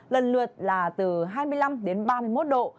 lần lượt là từ hai mươi năm đến ba mươi một độ